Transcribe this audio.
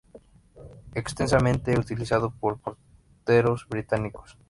Extensamente utilizado por porteros británicos.